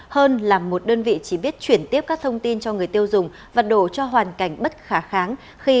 hơn là một đơn vị chỉ biết chuyển tiếp các thông tin cho người tiêu dùng và đổ cho hoàn cảnh bất khả kháng